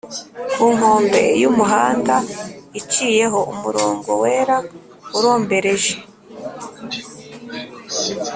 Kunkombe yumuhanda iciyeho umurongo wera urombereje